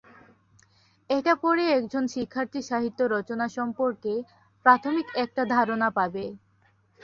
এটা পড়ে একজন শিক্ষার্থী সাহিত্য রচনা সম্পর্কে প্রাথমিক একটা ধারণা পাবে।